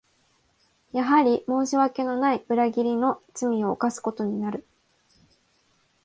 やはり申し訳のない裏切りの罪を犯すことになる